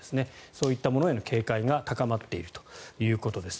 そういったものへの警戒が高まっているということです。